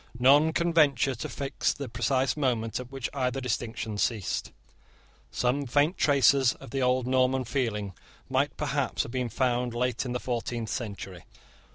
None can venture to fix the precise moment at which either distinction ceased. Some faint traces of the old Norman feeling might perhaps have been found late in the fourteenth century.